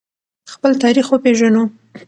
خپل تاریخ وپیژنو.